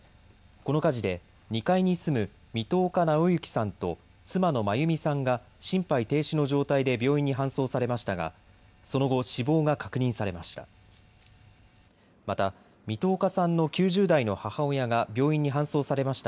この火事で２階に住む三十日直幸さんと妻の眞弓さんが心肺停止の状態で病院に搬送されましたがその後、死亡が確認されました。